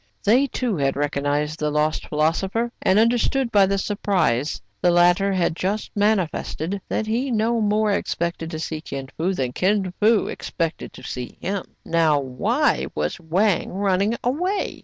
They, too, had recognized the lost philosopher, and understood, by the surprise the latter had just manifested, that he no more expected to see Kin Fo than Kin Fo expected to see him. Now, why was Wang running away?